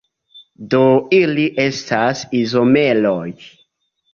Do ili estas izomeroj.